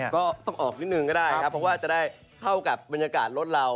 ก็ต้องออกนิดนึงก็ได้ครับเพราะว่าจะได้เข้ากับบรรยากาศรถเรา